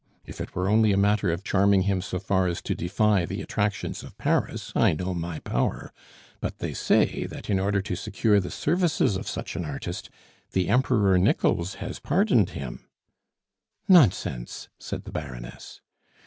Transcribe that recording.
If it were only a matter of charming him so far as to defy the attractions of Paris, I know my power; but they say that in order to secure the services of such an artist, the Emperor Nichols has pardoned him " "Nonsense!" said the Baroness.